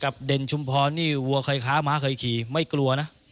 เด่นชุมพรนี่วัวเคยค้าม้าเคยขี่ไม่กลัวนะ